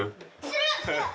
する！